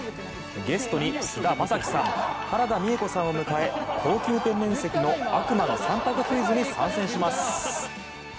ゲストに菅田将暉さん原田美枝子さんを迎え高級天然石の悪魔の３択クイズに参戦します。